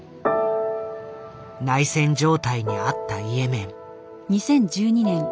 内戦状態にあったイエメン。